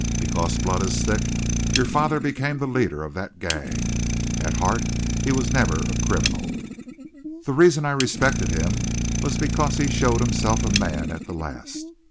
Because blood is thick, your father became the leader of that gang. At heart he was never a criminal. "The reason I respected him was because he showed himself a man at the last.